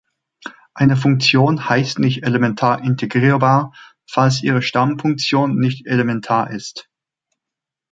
Eine Funktion heißt nicht elementar integrierbar, falls ihre Stammfunktion nicht elementar ist.